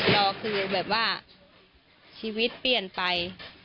เราคือแบบว่าชีวิตเปลี่ยนไป